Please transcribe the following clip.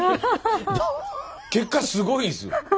結果すごいですよ。